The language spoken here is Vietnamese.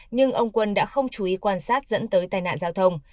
nhưng ông quân đã không chú ý quan sát dẫn tới tai nạn giao thông